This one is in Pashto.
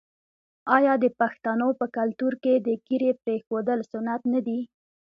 آیا د پښتنو په کلتور کې د ږیرې پریښودل سنت نه دي؟